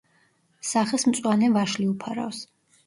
სახეს მწვანე ვაშლი უფარავს.